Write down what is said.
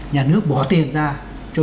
nhà nước bỏ tiền ra cho